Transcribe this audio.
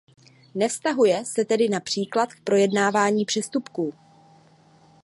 Nevztahuje se tedy například k projednávání přestupků.